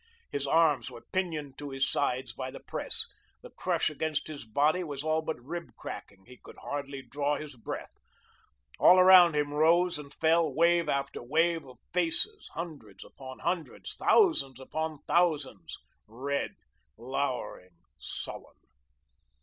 His arms were pinioned to his sides by the press, the crush against his body was all but rib cracking, he could hardly draw his breath. All around him rose and fell wave after wave of faces, hundreds upon hundreds, thousands upon thousands, red, lowering, sullen.